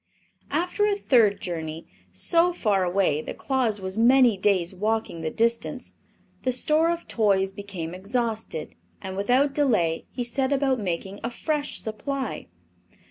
After a third journey, so far away that Claus was many days walking the distance, the store of toys became exhausted and without delay he set about making a fresh supply.